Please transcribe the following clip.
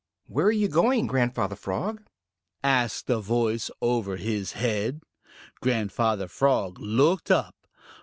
"Where are you going, Grandfather Frog?" asked a voice over his head. Grandfather Frog looked up.